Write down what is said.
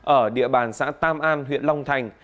ở địa bàn xã tam an huyện long thành